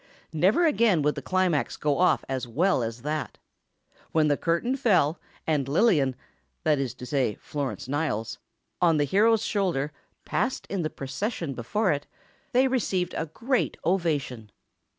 Never again would the climax go off as well as that. When the curtain fell, and Lillian—that is to say, Florence Niles—on the hero's shoulder, passed in the procession before it, they received a great ovation.